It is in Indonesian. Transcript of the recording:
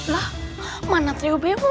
lah mana trio bemu